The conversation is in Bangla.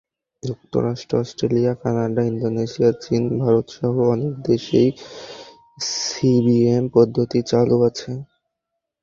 যুক্তরাষ্ট্র, অস্ট্রেলিয়া, কানাডা, ইন্দোনেশিয়া, চীন, ভারতসহ অনেক দেশেই সিবিএম পদ্ধতি চালু আছে।